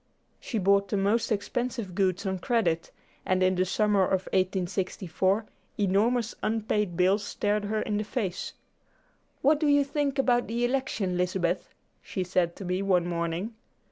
She bought the most expensive goods on credit, and in the summer of 1864 enormous unpaid bills stared her in the face. "What do you think about the election, Lizabeth?" she said to me one morning.